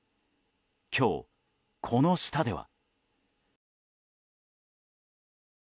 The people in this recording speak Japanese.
今日、この下では。